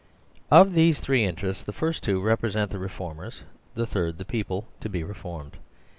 Of these three interests the first two represent the Reformers the third the people to be Reformed.